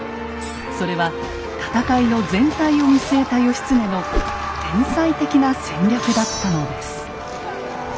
それは戦いの全体を見据えた義経の天才的な戦略だったのです。